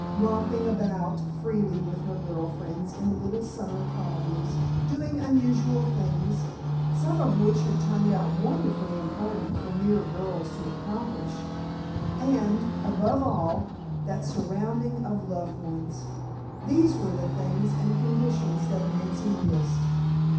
Romping about freely with her girl friends in the little summer colonies, doing unusual things, some of which had turned out wonderfully important for mere girls to accomplish, and, above all, that surrounding of loved ones these were the things and conditions that Nancy missed.